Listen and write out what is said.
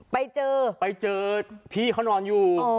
ไปเจอไปเจอพี่เขานอนอยู่